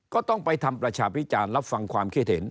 ก็ต้องไปทำประชาพิจารณ์รับฟังความคิดเห็น